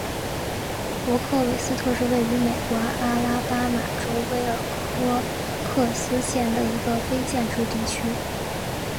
罗克韦斯特是位于美国阿拉巴马州威尔科克斯县的一个非建制地区。